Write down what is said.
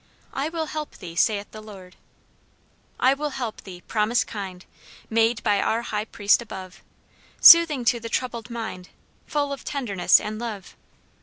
"I will help thee, saith the Lord." "I will help thee," promise kind Made by our High Priest above; Soothing to the troubled mind, Full of tenderness and love.